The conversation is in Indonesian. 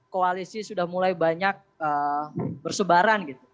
koalisi sudah mulai banyak bersebaran gitu